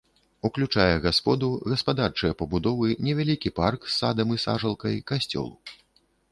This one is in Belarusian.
Уключае гасподу, гаспадарчыя пабудовы, невялікі парк з садам і сажалкай, касцёл.